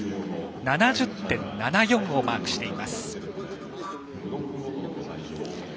７０．７４をマークしています。